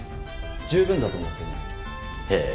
十分だと思ってね。